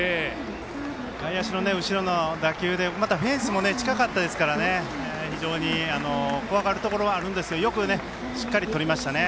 外野手の後ろの打球でフェンスも近かったですから非常に怖がるところあるんですがよくしっかりとりましたね。